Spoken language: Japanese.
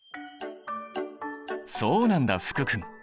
そうなんだ福くん！